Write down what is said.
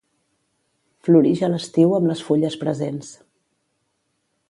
Florix a l'estiu amb les fulles presents.